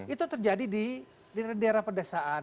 itu terjadi di daerah pedesaan